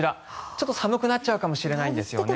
ちょっと寒くなっちゃうかもしれないんですよね。